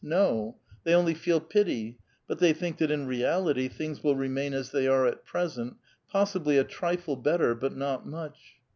No; they only feel pity, but they think that in reality things will remain as they are at present, possibly a trifle better, but not much.